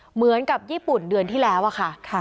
เหมือนกับญี่ปุ่นเดือนที่แล้วอะค่ะ